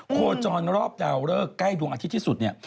โคจรรอบดาวเริกใกล้ดวงอาทิตย์เนี่ย